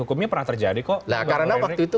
hukumnya pernah terjadi kok karena waktu itu